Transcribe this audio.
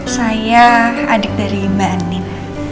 saya adik dari mbak anim